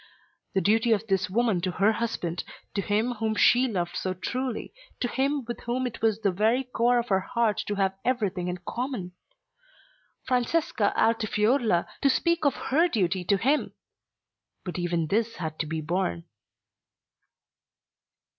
The duty of this woman to her husband, to him whom she loved so truly, to him with whom it was in the very core of her heart to have everything in common! Francesca Altifiorla to speak of her duty to him! But even this had to be borne.